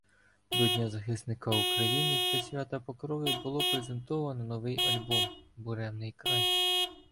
до Дня Захисника України та свята Покрови було презентовано новий альбом «Буремний край».